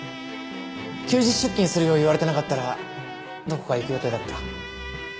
休日出勤するよう言われてなかったらどこか行く予定だった？